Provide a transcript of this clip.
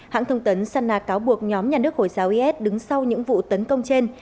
hãng thông tấn sana cáo buộc nhóm nhà nước hồi giáo is đứng sau những vụ tấn công trên